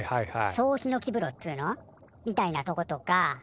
総ひのき風呂っつうの？みたいなとことか。